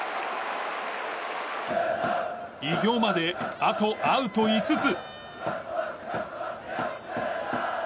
偉業まで、あとアウト５つ。